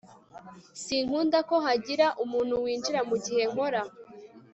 Sinkunda ko hagira umuntu winjira mugihe nkora